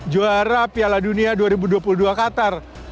juara piala dunia dua ribu dua puluh dua qatar